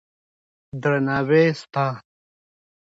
درناوی سته.